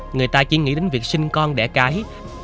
người ta chỉ nghĩ đến việc sinh con đẻ cái